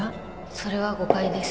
それは誤解です。